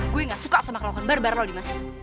gue gak suka sama keluhan barbar lo dimash